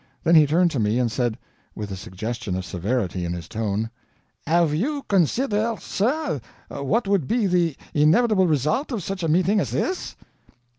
Then he turned to me, and said, with a suggestion of severity in his tone: "Have you considered, sir, what would be the inevitable result of such a meeting as this?"